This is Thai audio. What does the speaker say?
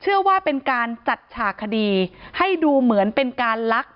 เชื่อว่าเป็นการจัดฉากคดีให้ดูเหมือนเป็นการลัก